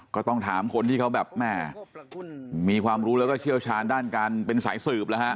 ก็ต้องถามคนที่เขาแบบแม่มีความรู้แล้วก็เชี่ยวชาญด้านการเป็นสายสืบแล้วฮะ